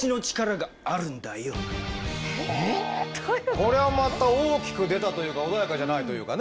これはまた大きく出たというか穏やかじゃないというかね。